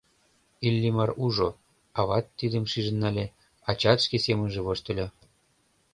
Иллимар ужо: ават тидым шижын нале, ачат шке семынже воштыльо.